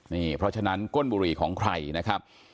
นี่เพราะฉะนั้นก้นบุหรี่ของใครนะครับ